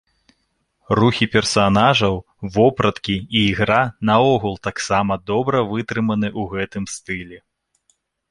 Рухі персанажаў, вопраткі і ігра наогул таксама добра вытрыманы ў гэтым стылі.